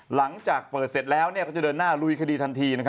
หลังจากเปิดเสร็จแล้วก็จะเดินหน้าลุยคดีทันที